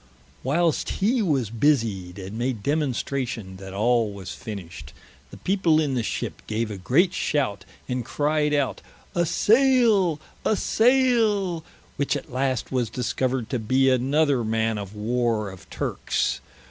Whilest he was busied, and made demonstration that all was finished, the people in the ship gave a great shout, and cryed out, "a sayle, a sayle," which at last was discovered to bee another man of Warre of Turkes.